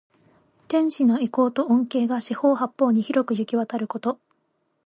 天子の威光と恩恵が四方八方に広くゆきわたること。